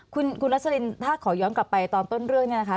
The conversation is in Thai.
คุณรัสลินถ้าขอย้อนกลับไปตอนต้นเรื่องเนี่ยนะคะ